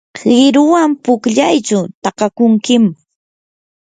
qiruwan pukllaychu takakunkim.